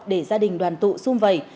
để gia đình đoàn tụ xung vầy